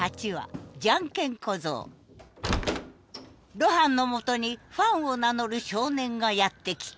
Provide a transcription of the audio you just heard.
露伴のもとにファンを名乗る少年がやって来た。